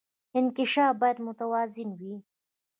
انکشاف باید متوازن وي